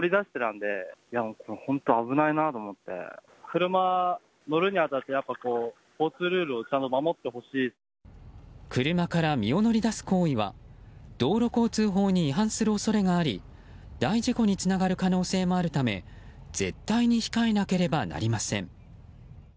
車から身を乗り出す行為は道路交通法に違反する恐れがあり大事故につながる可能性もあるため絶対に控えなければなりません。